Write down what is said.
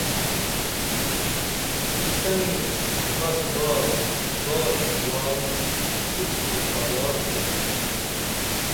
شوکیسنی مسبار باش ڙار (اُس) اُڅھ نِکھالال تھوپ تو